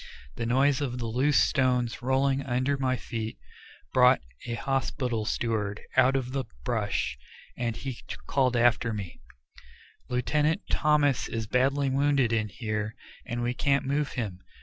The noise of the loose stones rolling under my feet brought a hospital steward out of the brush, and he called after me: "Lieutenant Thomas is badly wounded in here, and we can't move him.